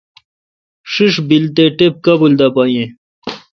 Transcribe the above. بیل تے ٹپ کابل دا پا یین۔